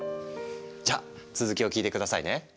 じゃ続きを聞いて下さいね！